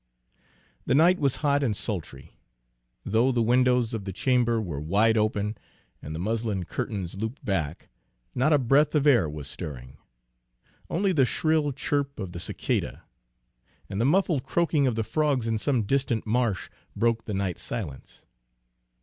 The night was hot and sultry. Though the windows of the chamber were wide open, and the muslin curtains looped back, not a breath of air was stirring. Only the shrill chirp of the cicada and the muffled croaking of the frogs in some distant marsh broke the night silence.